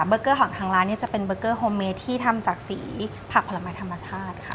เกอร์ของทางร้านเนี่ยจะเป็นเบอร์เกอร์โฮเมที่ทำจากสีผักผลไม้ธรรมชาติค่ะ